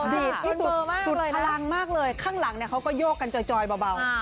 ดีดที่สุดสุดพลังมากเลยข้างหลังเขาก็โยกกันจอยเบา